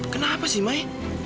kenapa sih may